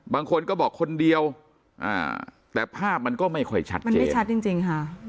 บางคนก็บอกคนเดียวแต่ภาพมันก็ไม่ค่อยชัดมันไม่ชัดจริงจริงค่ะ